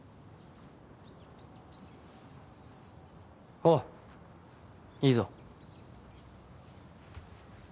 おういいぞ。